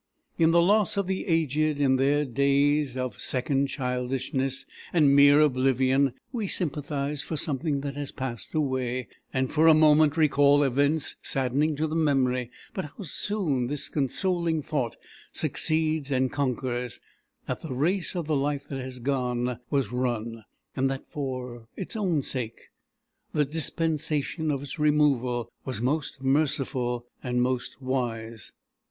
In the loss of the aged, in their days of second childishness and mere oblivion, we sympathize for something that has passed away, and for a moment recall events saddening to the memory; but how soon this consoling thought succeeds and conquers that the race of the life that has gone was run, and that for its own sake the dispensation of its removal was most merciful and most wise.